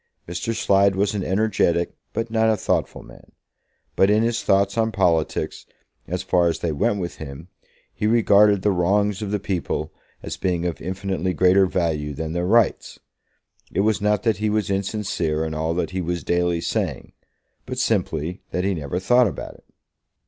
Mr. Slide was an energetic but not a thoughtful man; but in his thoughts on politics, as far as they went with him, he regarded the wrongs of the people as being of infinitely greater value than their rights. It was not that he was insincere in all that he was daily saying; but simply that he never thought about it.